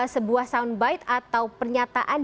sebuah soundbite atau pernyataan